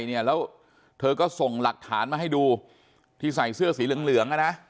แล้วเธอก็ส่งหลักฐานมาให้ดูที่ใส่เสื้อสีเหลืองนะนะ